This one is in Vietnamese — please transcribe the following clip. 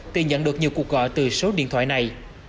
thì nhận được nhiều cuộc gọi từ số điện thoại này